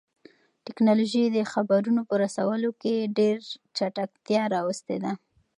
تکنالوژي د خبرونو په رسولو کې ډېر چټکتیا راوستې ده.